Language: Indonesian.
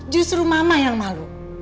justru mama yang malu